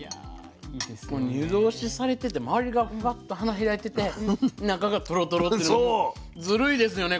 湯通しされてて周りがフワッと花開いてて中がトロトロっていうのはもうずるいですよね